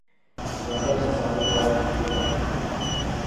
زیادہ مصالہ دار چیزیں مت کھاؤ